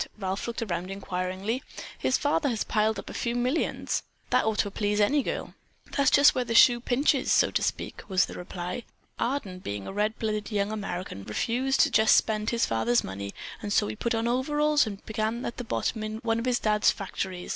Ralph looked around inquiringly. "His father has piled up a few millions. That ought to please any girl." "That's just where the shoe pinches, so to speak," was the reply. "Arden, being a red blooded young American, refused to just spend his father's money and so he put on overalls and began at the bottom in one of his dad's factories.